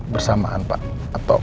bersamaan pak atau